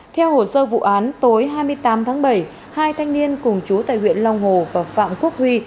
theo hồ sơ vụ án tối hai mươi tám tháng bảy hai thanh niên cùng chú tại huyện long hồ và phạm quốc huy